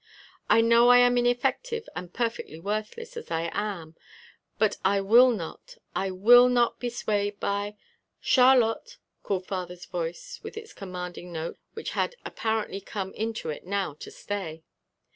"I know I am ineffective and perfectly worthless as I am but I will not, I will not be swayed by " "Charlotte," called father's voice with its commanding note which had apparently come into it now to stay.